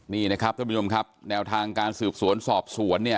นี่นะครับท่านผู้ชมครับแนวทางการสืบสวนสอบสวนเนี่ย